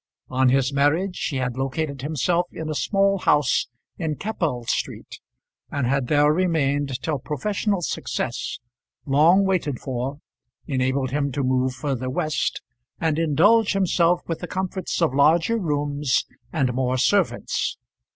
On his marriage he had located himself in a small house in Keppel Street, and had there remained till professional success, long waited for, enabled him to move further west, and indulge himself with the comforts of larger rooms and more servants.